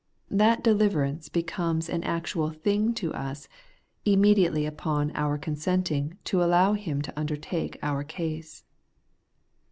That deliverance becomes an actual thing to us immediately upon our consenting to allow Him to undertake our case.